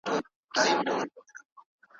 د ناوي کور ته سوغاتونه وړل کيږي.